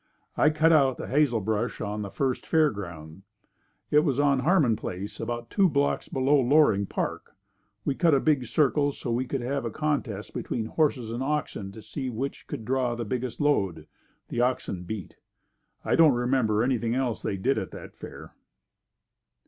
I cut out the hazelbrush on the first Fair Ground. It was on Harmon Place about two blocks below Loring Park. We cut a big circle so that we could have a contest between horses and oxen to see which could draw the biggest load. The oxen beat. I don't remember anything else they did at that Fair.